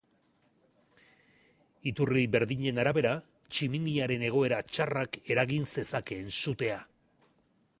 Iturri berdinen arabera, tximiniaren egoera txarrak eragin zezakeen sutea.